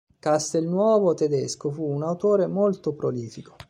Castelnuovo-Tedesco fu un autore molto prolifico.